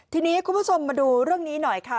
ทีนี้คุณผู้ชมมาดูเรื่องนี้หน่อยค่ะ